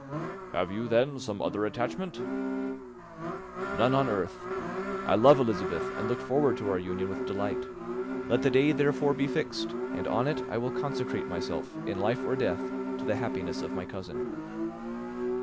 "Have you, then, some other attachment?" "None on earth. I love Elizabeth and look forward to our union with delight. Let the day therefore be fixed; and on it I will consecrate myself, in life or death, to the happiness of my cousin."